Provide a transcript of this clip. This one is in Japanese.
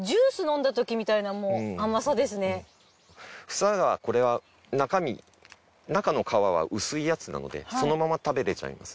房がこれは中の皮は薄いやつなのでそのまま食べられちゃいます